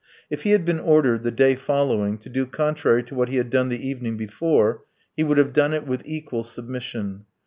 If he had been ordered the day following to do contrary to what he had done the evening before he would have done it with equal submission.